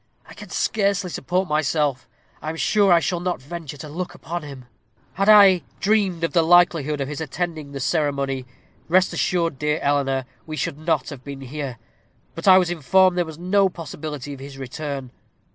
I can scarcely support myself I am sure I shall not venture to look upon him." "Had I dreamed of the likelihood of his attending the ceremony, rest assured, dear Eleanor, we should not have been here: but I was informed there was no possibility of his return.